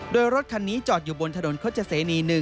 โดยรถคันนี้จอดอยู่บนถนนเคราะห์เจษนี๑